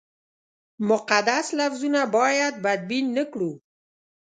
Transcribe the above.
مقدس لفظونه باید بدبین نه کړو.